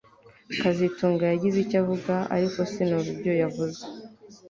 kazitunga yagize icyo avuga ariko sinumva ibyo yavuze